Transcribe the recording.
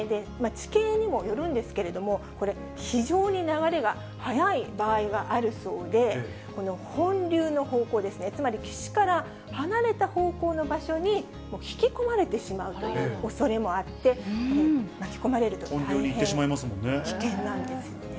地形にもよるんですけれども、これ、非常に流れが速い場合があるそうで、本流の方向ですね、つまり岸から離れた方向の場所に引き込まれてしまうというおそれもあって、本流に行ってしまいますもん危険なんですよね。